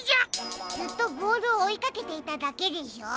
ずっとボールをおいかけていただけでしょ。